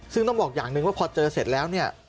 ซึ่งต้องบอกอย่างหนึ่งว่าพอเจอเสร็จแล้วเนี่ย